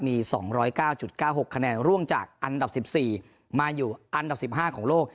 มี๒๐๙๙๖คะแนนร่วงจากอันดับ๑๔มาอยู่อันดับ๑๕ของโลก